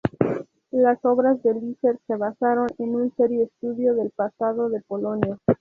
Las obras de Lesser se basaron en un serio estudio del pasado de Polonia.